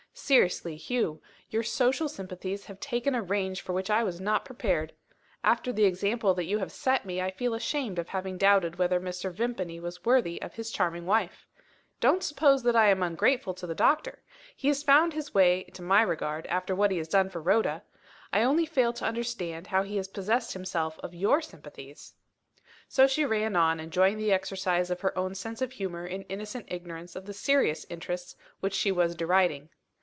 Seriously, Hugh, your social sympathies have taken a range for which I was not prepared. After the example that you have set me, I feel ashamed of having doubted whether Mr. Vimpany was worthy of his charming wife. Don't suppose that I am ungrateful to the doctor! He has found his way to my regard, after what he has done for Rhoda. I only fail to understand how he has possessed himself of your sympathies." So she ran on, enjoying the exercise of her own sense of humour in innocent ignorance of the serious interests which she was deriding.